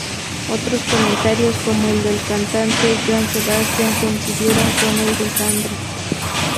Otros comentarios como el del cantante Joan Sebastian coincidieron con el de Sandra.